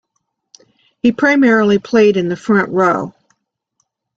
He primarily played in the front-row.